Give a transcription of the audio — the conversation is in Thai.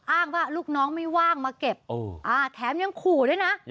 อ้างว่าลูกน้องไม่ว่างมาเก็บแถมยังขู่ด้วยนะ